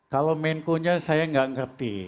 kalau menko nya saya nggak ngerti